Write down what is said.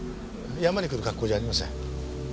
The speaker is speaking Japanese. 山に来る格好じゃありません。